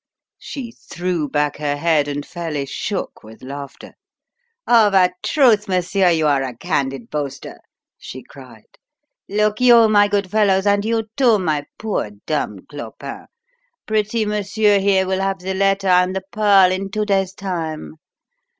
She threw back her head and fairly shook with laughter. "Of a truth, monsieur, you are a candid boaster!" she cried. "Look you, my good fellows, and you too, my poor dumb Clopin, pretty monsieur here will have the letter and the pearl in two days' time.